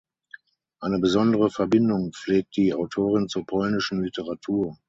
Eine besondere Verbindung pflegt die Autorin zur polnischen Literatur.